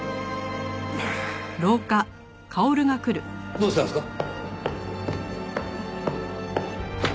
どうしたんですか？